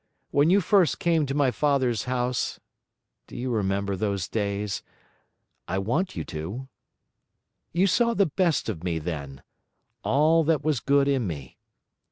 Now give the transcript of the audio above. When you first came to my father's house do you remember those days? I want you to you saw the best of me then, all that was good in me.